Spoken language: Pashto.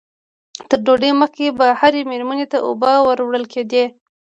تر ډوډۍ مخکې به هرې مېرمنې ته اوبه ور وړل کېدې.